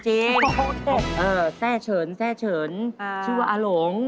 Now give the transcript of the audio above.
ขณ์แช่เฉินชื่อว่าอาหลง